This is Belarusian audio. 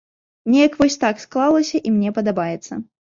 Неяк вось так склалася і мне падабаецца.